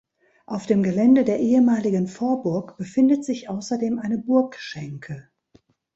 Auf dem Gelände der ehemaligen Vorburg befindet sich außerdem eine Burgschänke.